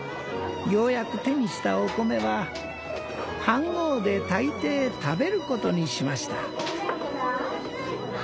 ようやく手にしたお米は飯ごうで炊いて食べる事にしました。